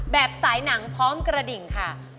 แบบสายหนังพร้อมกระดิ่งค่ะ